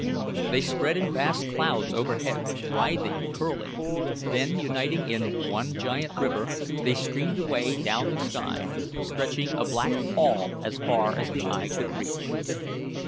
They spread in vast clouds overhead, writhing, curling; then, uniting in one giant river, they streamed away down the sky, stretching a black pall as far as the eye could reach.